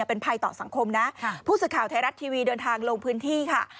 เป็นภัยต่อสังคมนะผู้สื่อข่าวไทยรัฐทีวีเดินทางลงพื้นที่ค่ะ